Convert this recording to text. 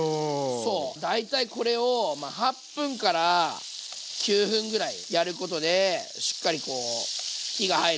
そう大体これを８分から９分ぐらいやることでしっかりこう火が入ると思います。